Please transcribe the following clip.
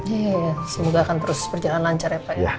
iya semoga akan terus berjalan lancar ya pak ya